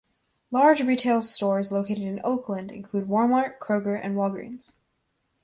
Large retail stores located in Oakland, Include Walmart, Kroger, and Walgreens.